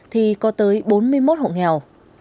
thì có tới bốn mươi một hộ nghèo